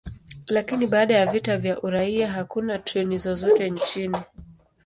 Lakini baada ya vita vya uraia, hakuna treni zozote nchini.